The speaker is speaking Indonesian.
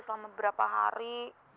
selama beberapa hari